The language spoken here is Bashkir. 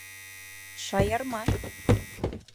Шаярма!